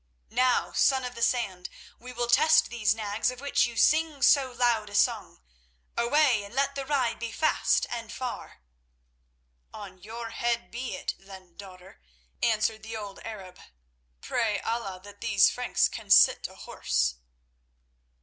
Now, Son of the Sand, we will test these nags of which you sing so loud a song. Away, and let the ride be fast and far!" "On your head be it then, daughter," answered the old Arab. "Pray Allah that these Franks can sit a horse!"